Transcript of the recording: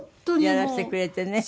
やらせてくれてね。